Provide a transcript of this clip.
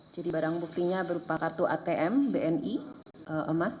jadi barang buktinya berupa kartu atm bni emas